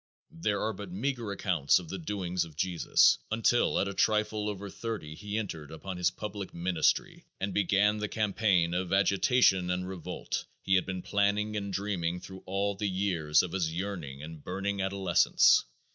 There are but meagre accounts of the doings of Jesus until at a trifle over thirty he entered upon his public "ministry" and began the campaign of agitation and revolt he had been planning and dreaming through all the years of his yearning and burning adolescence.